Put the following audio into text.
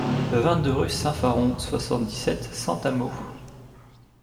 vingt-deux rue Saint-Faron, soixante-dix-sept, cent à Meaux